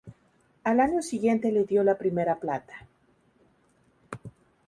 Al año siguiente le dio la primera plata.